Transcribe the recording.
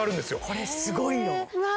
これすごいようわ